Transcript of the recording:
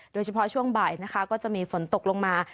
โดยเฉพาะช่วงบ่ายนะคะก็จะมีฝนตกลงมา